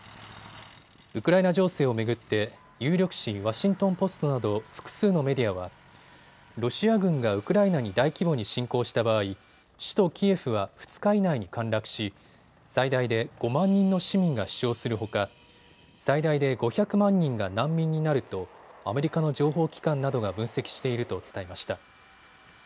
ウクライナ情勢を巡って有力紙、ワシントン・ポストなど複数のメディアはロシア軍がウクライナに大規模に侵攻した場合、首都キエフは２日以内に陥落し最大で５万人の市民が死傷するほか最大で５００万人が難民になるとアメリカの情報機関などが分析していると伝えました。